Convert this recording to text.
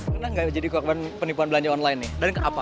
pernah nggak jadi keakban penipuan belanja online dan ke apa